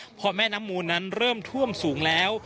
พอแม่น้ำมูลนั้นเริ่มท่วมสูงแล้ว